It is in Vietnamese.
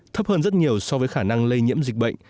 thấp hơn rất nhiều so với khả năng lây nhiễm dịch bệnh